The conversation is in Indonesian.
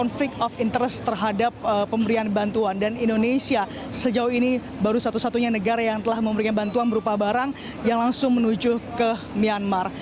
konflik of interest terhadap pemberian bantuan dan indonesia sejauh ini baru satu satunya negara yang telah memberikan bantuan berupa barang yang langsung menuju ke myanmar